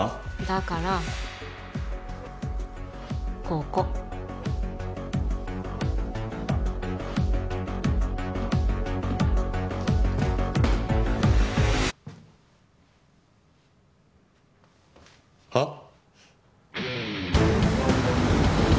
だからここはっ？